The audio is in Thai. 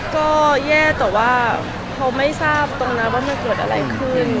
ก็แย่แต่ว่าเขาไม่ทราบตรงนั้นว่ามันเกิดอะไรขึ้น